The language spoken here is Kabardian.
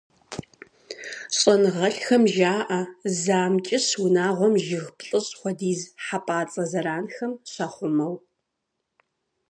ЩӀэныгъэлӀхэм жаӀэ, зы амкӀыщ унагъуэм жыг плӏыщӏ хуэдиз хьэпӀацӀэ зэранхэм щахъумэу.